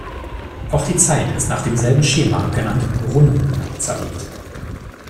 Auch die Zeit ist nach demselben Schema, genannt "Runden", zerlegt.